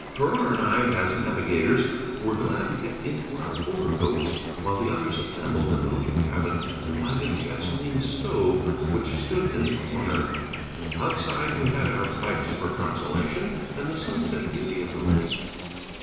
Farrar and I, as navigators, were glad to get into our overcoats, while the others assembled in the little cabin and lighted the gasoline stove which stood in the corner. Outside we had our pipes for consolation, and the sunset beauty of the lake.